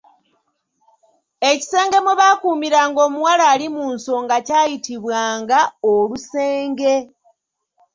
Ekisenge mwe baakuumiranga omuwala ali mu nsonga kyayitibwanga olusenge.